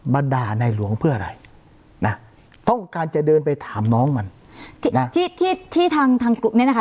มาด่าในหลวงเพื่ออะไรนะต้องการจะเดินไปถามน้องมันที่ที่ทางทางกลุ่มเนี้ยนะคะ